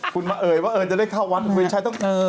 คุณมาเอ่ยว่าเอิญจะได้เข้าวัดคุณชัยต้องเจอ